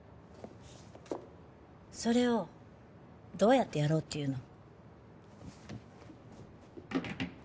それをどうやってやろうっていうの？